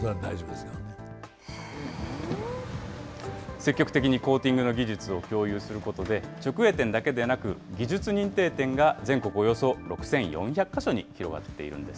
積極的にコーティングの技術を共有することで、直営店だけでなく、技術認定店が全国およそ６４００か所に広がっているんです。